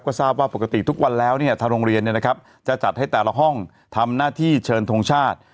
ก็ทราบว่าปกติทุกวันแล้วทางโรงเรียนจะจัดให้แต่ละห้องทำหน้าที่เชิญทรงชาติ